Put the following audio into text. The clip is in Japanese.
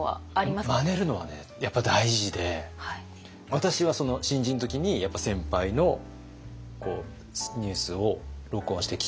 まねるのはねやっぱ大事で私は新人の時にやっぱ先輩のニュースを録音して聴きながらしゃべって。